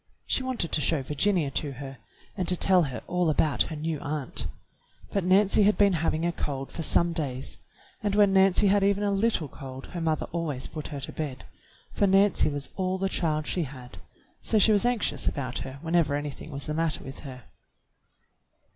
She wanted to show Virginia to her, and to tell her all about her new aunt; but Nancy had been having a cold for some days, and when Nancy had even a little cold her mother always put her to bed, for Nancy was all the child she had, so she was anxious about her whenever anything was the matter with her.